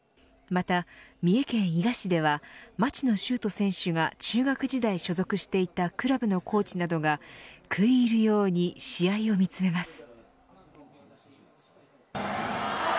また、三重県伊賀市では町野修斗選手が中学時代所属していたクラブのコーチなどが食い入るように試合を見つめます。